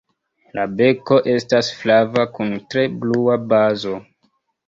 La beko estas flava kun tre blua bazo.